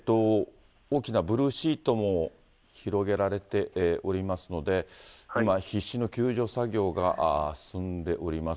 大きなブルーシートも広げられておりますので、今、必死の救助作業が進んでおります。